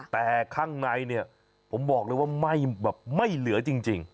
แต่ข้างในนี่ผมบอกเลยว่าไม่เหลือจริง